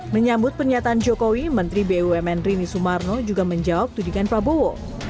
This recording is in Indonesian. menyambut pernyataan jokowi menteri bumn rini sumarno juga menjawab tudingan prabowo